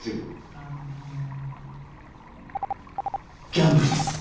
ギャンブルです。